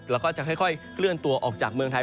แล้วก็จะค่อยเคลื่อนตัวออกจากเมืองไทย